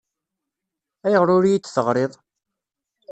Ayɣer ur iyi-d-teɣriḍ?